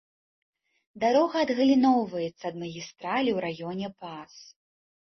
Дарога адгаліноўваецца ад магістралі у раёне пас.